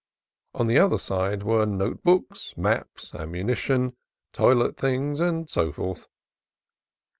In the other side were note books, maps, ammunition, toilet things, and so forth.